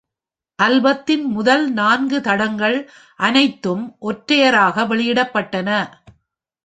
ஆல்பத்தின் முதல் நான்கு தடங்கள் அனைத்தும் ஒற்றையராக வெளியிடப்பட்டன.